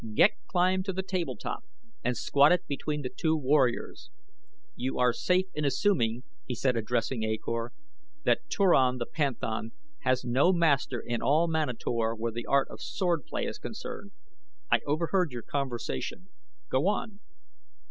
Ghek climbed to the table top and squatted between the two warriors. "You are safe in assuming," he said addressing A Kor, "that Turan the panthan has no master in all Manator where the art of sword play is concerned. I overheard your conversation go on."